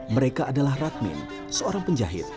mereka adalah radmin seorang penjahit